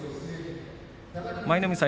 舞の海さん